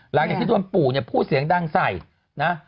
หลังจากที่โดนปู่เนี่ยพูดเสียงดังใส่นะ